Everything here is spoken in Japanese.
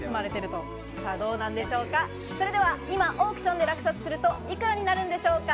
それでは、今オークションで落札すると幾らになるんでしょうか？